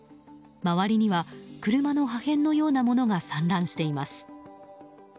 周りには車の破片のようなものが散乱しています。